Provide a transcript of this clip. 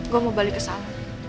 gue mau balik ke sana